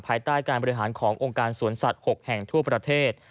ภายใต้การบริหารขององค์การสวนสัตว์๖แห่งทั่วประเทศ